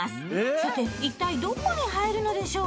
さて一体どこに入るのでしょう？